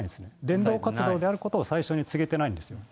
伝道活動であることを最初に告げてないんですよね。